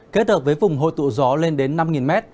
kết hợp với vùng hội tụ gió lên đến năm m